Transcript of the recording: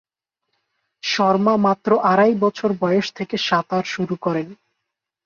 শর্মা মাত্র আড়াই বছর বয়স থেকে সাঁতার শুরু করেন।